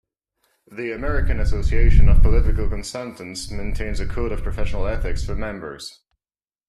The American Association of Political Consultants maintains a Code of Professional Ethics for members.